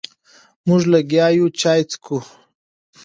مونږ لګیا یو چای څکو.